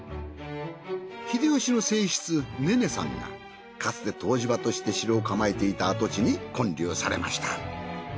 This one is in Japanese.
秀吉の正室ねねさんがかつて湯治場として城を構えていた跡地に建立されました。